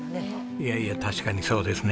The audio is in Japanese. いやいや確かにそうですね。